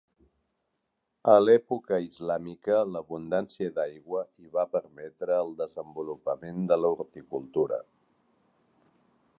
A l’època islàmica, l’abundància d’aigua hi va permetre el desenvolupament de l’horticultura.